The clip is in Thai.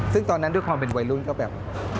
ซึ่งตอนนั้นด้วยความเป็นวัยรุ่นก็แบบ